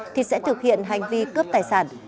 thì sẽ thực hiện hành vi cướp tài sản